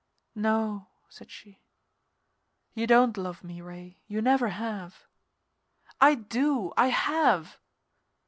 "No," said she. "You don't love me, Ray. You never have." "I do! I have!"